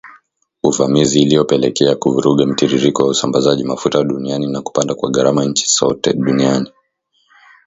Uvamizi iliyopelekea kuvuruga mtiririko wa usambazaji mafuta duniani na kupanda kwa gharama inchi sote duniani